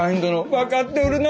分かっておるな。